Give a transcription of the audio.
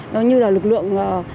đó như là lực lượng